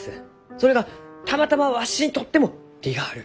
それがたまたまわしにとっても利がある。